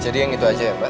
jadi yang itu aja ya mbak